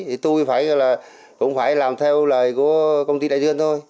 thì tôi cũng phải làm theo lời của công ty đại dương thôi